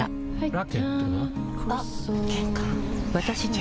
ラケットは？